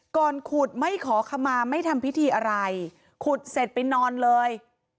ก่อนขุดไม่ขอขมาไม่ทำพิธีอะไรขุดเสร็จไปนอนเลย